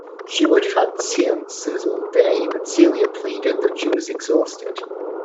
She would have had seances all day, but Celia pleaded that she was exhausted.